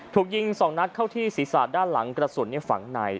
ถูกยิง๒นัดเข้าที่ศีรษะด้านหลังกระสุนฝังใน